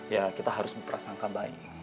ya kita harus memperasangka baik